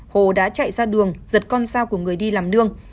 hồ đã chạy ra đường giật con sao của người đi làm đường